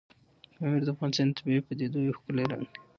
پامیر د افغانستان د طبیعي پدیدو یو ښکلی رنګ دی.